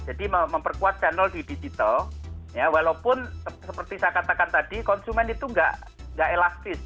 jadi memperkuat channel di digital ya walaupun seperti saya katakan tadi konsumen itu nggak elastis